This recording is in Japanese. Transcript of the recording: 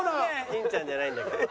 欽ちゃんじゃないんだから。